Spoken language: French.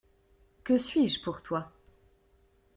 Que suis-je pour toi?